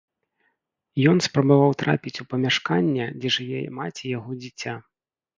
Ён спрабаваў трапіць у памяшканне, дзе жыве маці яго дзіця.